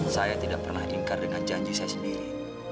saya tidak pernah ingkar dengan janji saya sendiri